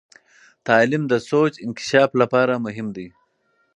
تعلیم د سوچ انکشاف لپاره مهم دی.